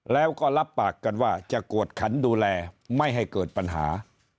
แล้วก็รับปากกันว่าจะกวดขันดูแลไม่ให้เกิดปัญหา